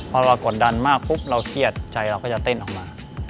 พอเรากดดันมากปุ๊บเราเครียดใจเราก็จะเต้นออกมา